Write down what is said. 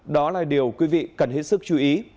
đó là điều quý vị cần hết sức chú ý